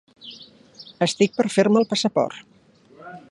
Estic per fer-me el passaport.